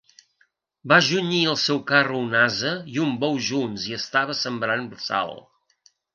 Va junyir al seu carro un ase i un bou junts i estava sembrant sal.